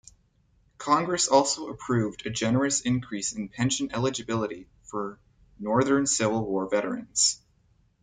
Congress also approved a generous increase in pension eligibility for Northern Civil War veterans.